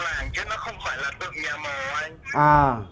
trong làng chứ nó không phải là tượng nhà mồ anh